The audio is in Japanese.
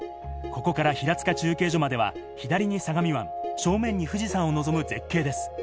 ここから平塚中継所までは左に相模湾、正面に富士山を望む絶景です。